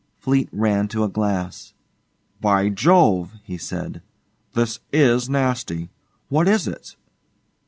Fleete ran to a glass. 'By Jove!' he said,' this is nasty. What is it?